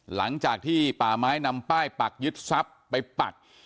หลังจากที่ป่าไม้นำป้ายปักยึดทรัพย์ไปปัก